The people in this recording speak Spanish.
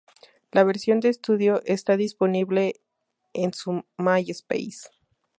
La versión de estudio está disponible en su MySpace.